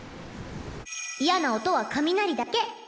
嫌な音は雷だけ。